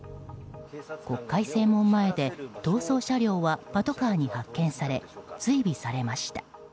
国会正門前で逃走車両はパトカーに発見され追尾されました。